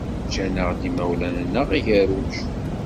Ǧǧan-aɣ-d yimawlan-nneɣ agerruj.